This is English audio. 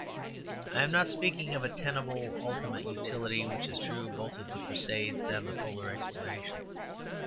I am not speaking of a tenable ultimate utility which is true both of the Crusades and the polar explorations.